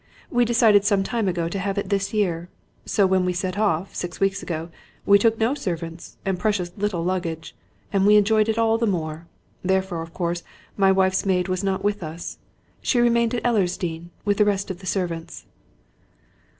We decided some time ago to have it this year. So when we set off, six weeks ago, we took no servants and precious little luggage and we enjoyed it all the more. Therefore, of course, my wife's maid was not with us. She remained at Ellersdeane with the rest of the servants."